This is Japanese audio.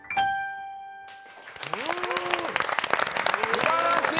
すばらしい！